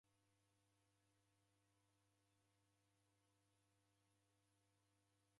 Uhu manga ojurua